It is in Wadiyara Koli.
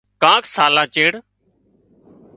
ڪانڪ سالان چيڙ